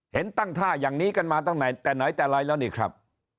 เห็นตั้งท่าอย่างนี้กันมาตั้งแต่ไหนแต่ไรแล้วนี่ครับ